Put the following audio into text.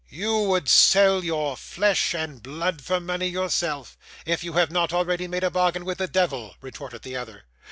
'You would sell your flesh and blood for money; yourself, if you have not already made a bargain with the devil,' retorted the other.